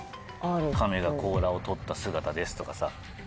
「カメが甲羅を取った姿です」とかさ。